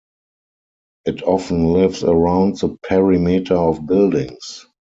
It often lives around the perimeter of buildings.